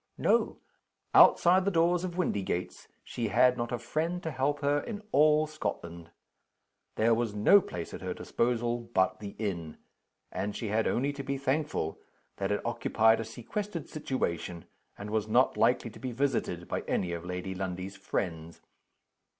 No. Outside the doors of Windygates she had not a friend to help her in all Scotland. There was no place at her disposal but the inn; and she had only to be thankful that it occupied a sequestered situation, and was not likely to be visited by any of Lady Lundie's friends.